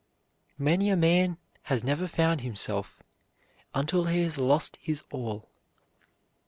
Many a man has never found himself until he has lost his all.